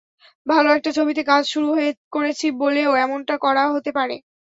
ভালো একটা ছবিতে কাজ শুরু করেছি বলেও এমনটা করা হতে পারে।